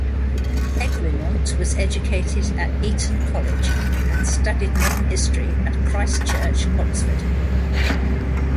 Egremont was educated at Eton College and studied modern history at Christ Church, Oxford.